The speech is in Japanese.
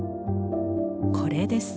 これです。